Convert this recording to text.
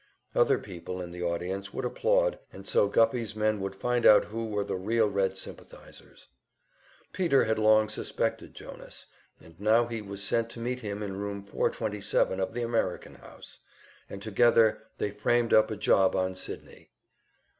Other people in the audience would applaud, and so Guffey's men would find out who were the real Red sympathizers. Peter had long suspected Jonas, and now he was sent to meet him in Room 427 of the American House, and together they framed up a job on Sydney.